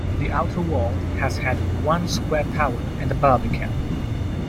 The outer wall has had one square tower and a barbican.